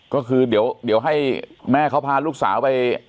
ก็คือเดี๋ยวให้แม่เขาพาลูกสาวไป